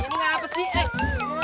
ini ngapain sih